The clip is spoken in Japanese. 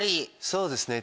そうですね。